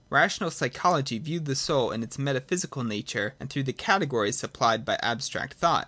Rational psychology viewed the soul in its metaphysical nature, and through the cate gories supplied by abstract thought.